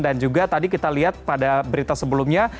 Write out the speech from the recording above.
dan juga tadi kita lihat pada berita sebelumnya